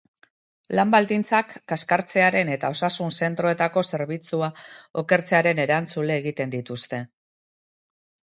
Lan baldintzak kaskartzearen eta osasun zentroetako zerbitzua okertzearen erantzule egiten dituzte.